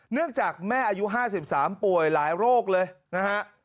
เนื่องจากแม่อายุ๕๓ป่วยหลายโรคเลยนะฮะ